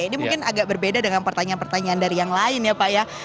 ini mungkin agak berbeda dengan pertanyaan pertanyaan dari yang lain ya pak ya